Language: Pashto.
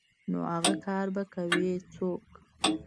نو اغه کار به کوي څوک.